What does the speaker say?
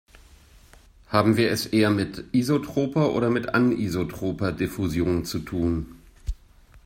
Haben wir es eher mit isotroper oder mit anisotroper Diffusion zu tun?